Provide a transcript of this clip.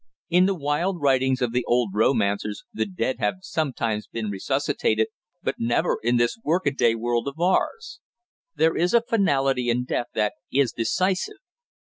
In the wild writings of the old romancers the dead have sometimes been resuscitated, but never in this workaday world of ours. There is a finality in death that is decisive.